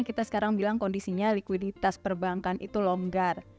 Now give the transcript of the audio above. kita sekarang bilang kondisinya likuiditas perbankan itu longgar